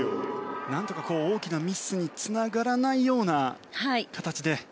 なんとか大きなミスにつながらないような形で。